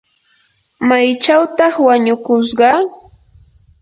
¿maychawtaq wanukushqa?